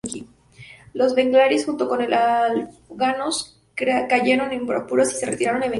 Los bengalíes, junto con los afganos, cayeron en apuros y se retiraron a Bengala.